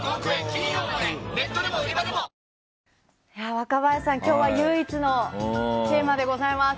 若林さん、今日は唯一のテーマでございます。